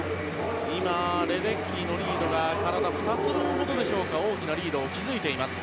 今、レデッキーのリードが体２つ分ほどでしょうか大きなリードを築いています。